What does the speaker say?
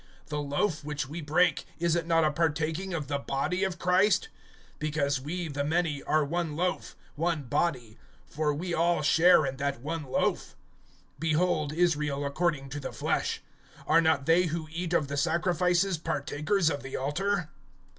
The loaf which we break, is it not a partaking of the body of Christ? (17)Because we, the many, are one loaf, one body; for we all share in that one loaf. (18)Behold Israel according to the flesh. Are not they who eat of the sacrifices partakers of the altar?